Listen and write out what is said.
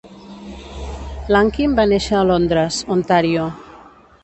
Lankin va néixer a Londres, Ontario.